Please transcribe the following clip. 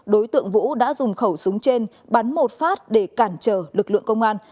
đối tượng vũ đã dùng khẩu súng trên bắn một phát để cản trở lực lượng công an